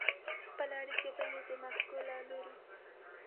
خپلې اړیکې به یې د مسکو له لوري